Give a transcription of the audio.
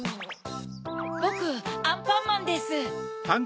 ボクアンパンマンです。